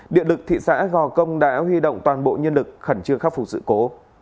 điện lực thị xã gò công đã huy động toàn bộ nhân lực khẩn trương khắc phục sự cố